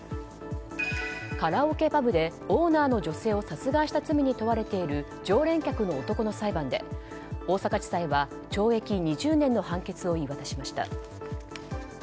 カラオケパブでオーナーの女性を殺害した罪に問われている常連客の男の裁判で、大阪地裁は懲役２０年の判決を言い渡しました。